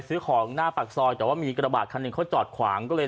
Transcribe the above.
ซื้อของหน้าปากซอยแต่ว่ามีกระบาดคันหนึ่งเขาจอดขวางก็เลย